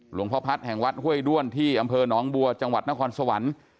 หลวงพ่อพัฒน์แห่งวัดห้วยด้วนที่อำเภอหนองบัวจังหวัดนครสวรรค์